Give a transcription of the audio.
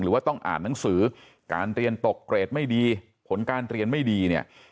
ว่าต้องอ่านหนังสือการเรียนตกเกรดไม่ดีผลการเรียนไม่ดีเนี่ย